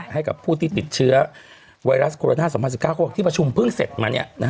ให้กับผู้ที่ติดเชื้อไวรัสโคโรนา๒๐๑๙เขาบอกที่ประชุมเพิ่งเสร็จมา